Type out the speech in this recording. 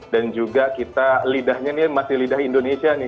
dan juga kita lidahnya ini masih lidah indonesia nih